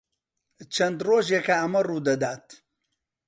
چەند ڕۆژێکە ئەمە ڕوو دەدات.